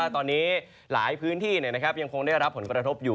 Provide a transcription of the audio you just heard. ตอนนี้หลายพื้นที่ยังคงได้รับผลกระทบอยู่